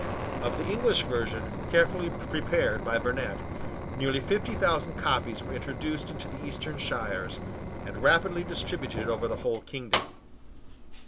Of the English version, carefully prepared by Burnet, near fifty thousand copies were introduced into the eastern shires, and rapidly distributed over the whole kingdom.